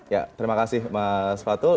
ya terima kasih mas fatul